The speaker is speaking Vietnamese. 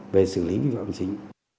về xử lý vi phạm hình chính